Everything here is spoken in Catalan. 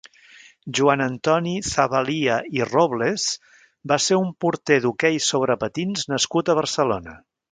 Joan Antoni Zabalia i Robles va ser un porter d'hoquei sobre patins nascut a Barcelona.